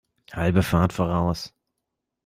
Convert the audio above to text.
Halbe Fahrt voraus!